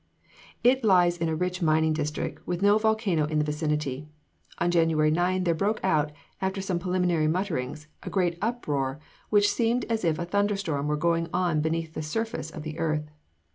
It lies in a rich mining district, with no volcano in the vicinity. On January 9 there broke out, after some preliminary muttering, a great uproar which seemed as if a thunder storm were going on beneath the surface of the earth.